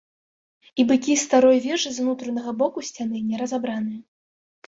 І быкі старой вежы з унутранага боку сцяны не разабраныя.